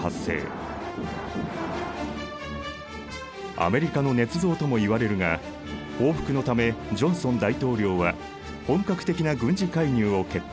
アメリカのねつ造ともいわれるが報復のためジョンソン大統領は本格的な軍事介入を決定。